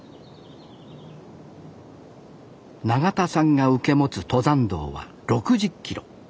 永田さんが受け持つ登山道は６０キロ。